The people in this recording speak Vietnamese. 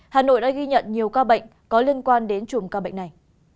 hà nội đã ghi nhận nhiều ca bệnh có liên quan đến chùm ca bệnh này